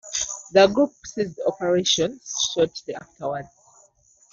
The group ceased operations shortly afterwards.